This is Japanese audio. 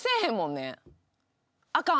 あかん。